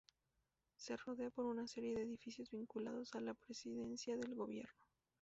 Se rodea por una serie de edificios vinculados a la Presidencia del Gobierno.